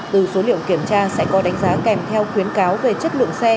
từ số liệu kiểm tra sẽ có đánh giá kèm theo khuyến cáo về chất lượng xe